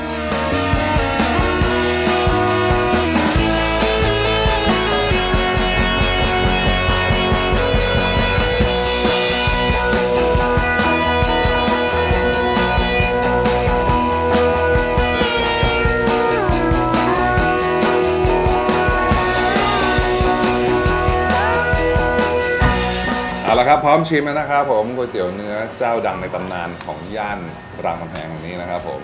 เอาละครับพร้อมชิมแล้วนะครับผมก๋วยเตี๋ยวเนื้อเจ้าดังในตำนานของย่านรามคำแหงแห่งนี้นะครับผม